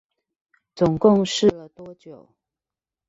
總共試了多久？